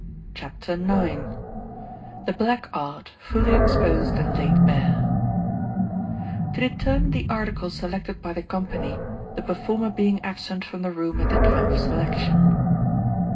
CHAPTER IX THE BLACK ART, FULLY EXPOSED AND LAID BARE To Determine the Article Selected by the Company, the Performer Being Absent from the Room at the Time of Selection.